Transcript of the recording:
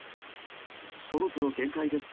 そろそろ限界です。